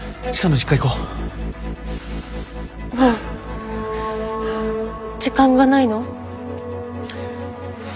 もう時間がないの？